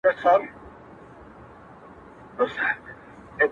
د پاچا له فقیرانو سره څه دي؟،